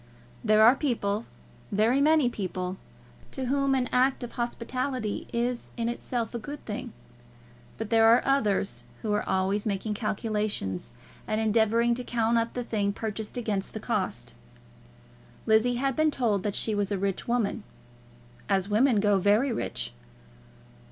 There are people, very many people, to whom an act of hospitality is in itself a good thing; but there are others who are always making calculations, and endeavouring to count up the thing purchased against the cost. Lizzie had been told that she was a rich woman, as women go, very rich.